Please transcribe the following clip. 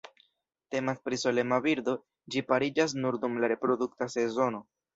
Temas pri solema birdo, ĝi pariĝas nur dum la reprodukta sezono.